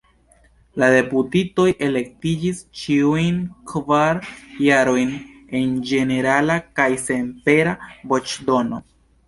La deputitoj elektiĝis ĉiujn kvar jarojn en ĝenerala kaj senpera voĉdono.